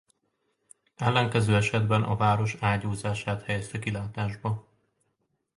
Ellenkező esetben a város ágyúzását helyezte kilátásba.